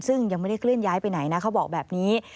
ซึ่งยังไม่ได้เคลื่อนย้ายไปไหนนะเขาบอกแบบนี้